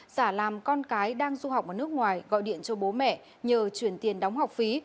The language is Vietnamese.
giả làm con cái đang du học ở nước ngoài gọi điện cho bố mẹ nhờ chuyển tiền đóng học phí